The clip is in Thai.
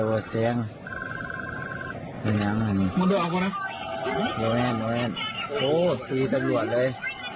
โอ้โหตีตำรวจเลย